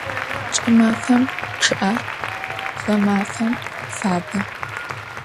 Кӏымафэм чъыӏэ, гъэмафэм фабэ.